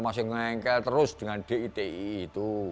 masih ngengkel terus dengan diti itu